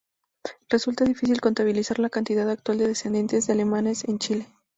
Resulta difícil contabilizar la cantidad actual de descendientes de alemanes en Chile.